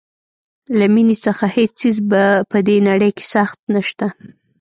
له مینې څخه هیڅ څیز په دې نړۍ کې سخت نشته.